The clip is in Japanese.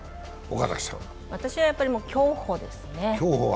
私は競歩ですね。